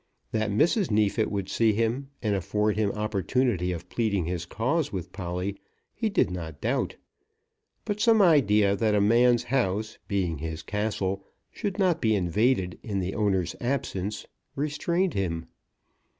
That Mrs. Neefit would see him, and afford him opportunity of pleading his cause with Polly, he did not doubt; but some idea that a man's house, being his castle, should not be invaded in the owner's absence, restrained him.